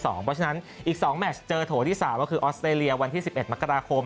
เพราะฉะนั้นอีก๒แมชเจอโถที่๓ก็คือออสเตรเลียวันที่๑๑มกราคม